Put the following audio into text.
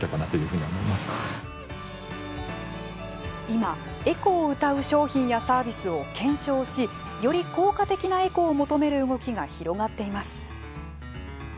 今エコをうたう商品やサービスを検証しより効果的なエコを求める動きが広がっています。